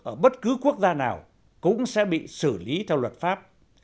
ở bất cứ quốc gia nào cũng sẽ bị xử lý theo luật pháp